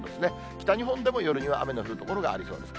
北日本でも夜には雨の降る所がありそうです。